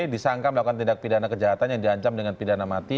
disangka melakukan tindak pidana kejahatan yang diancam dengan pidana mati